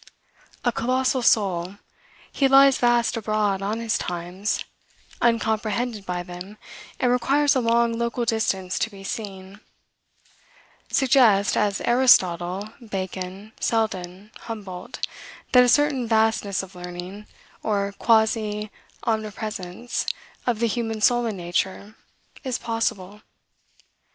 A colossal soul, he lies vast abroad on his times, uncomprehended by them, and requires a long local distance to be seen; suggest, as Aristotle, Bacon, Selden, Humboldt, that a certain vastness of learning, or quasi omnipresence of the human soul in nature, is possible.